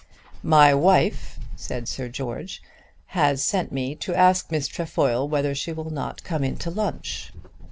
"My wife," said Sir George, "has sent me to ask Miss Trefoil whether she will not come into lunch."